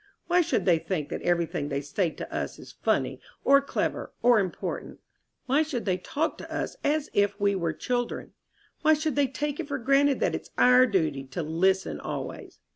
Why should they think that everything they say to us is funny or clever or important? Why should they talk to us as if we were children? Why should they take it for granted that it's our duty to listen always?"